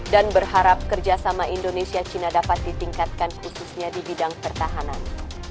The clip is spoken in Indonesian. dan berharap kerjasama indonesia cina dapat ditingkatkan khususnya di bidang pertahanan